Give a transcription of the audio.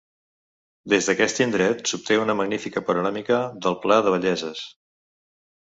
Des d'aquest indret s'obté una magnífica panoràmica del pla de Belleses.